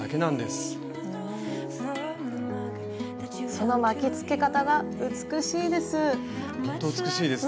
その巻きつけ方が美しいです。